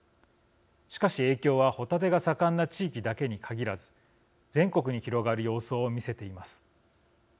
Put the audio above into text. しかし影響はホタテが盛んな地域だけに限らず全国に広がる様相を見せています。